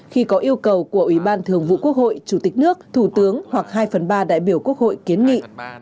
khi có yêu cầu của ủy ban thường vụ quốc hội chủ tịch nước thủ tướng hoặc hai phần ba đại biểu quốc hội kiến nghị